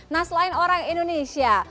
nah selain orang indonesia